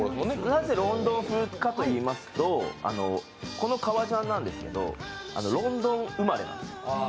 なぜロンドン風かといいますと、この革ジャンなんですけど、ロンドン生まれなんですよ。